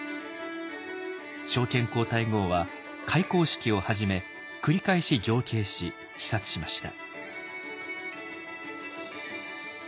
昭憲皇太后は開校式をはじめ繰り返し行啓し視察しました。